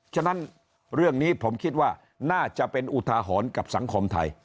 ฉะนั้นเรื่องนี้ผมคิดว่าน่าจะเป็นอุทาหรณ์กับสังคมไทย